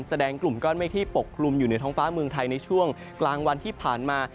กลุ่มก้อนเมฆที่ปกคลุมอยู่เหนือท้องฟ้าเมืองไทยในช่วงกลางวันที่ผ่านมา